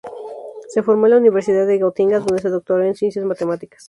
Se formó en la Universidad de Gotinga, donde se doctoró en Ciencias Matemáticas.